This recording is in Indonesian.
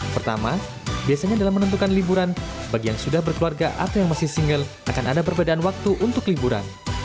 pertama biasanya dalam menentukan liburan bagi yang sudah berkeluarga atau yang masih single akan ada perbedaan waktu untuk liburan